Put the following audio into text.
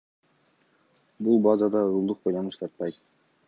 Бул базада уюлдук байланыш тартпайт.